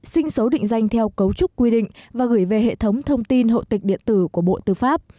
sinh số định danh theo cấu trúc quy định và gửi về hệ thống thông tin hộ tịch điện tử của bộ tư pháp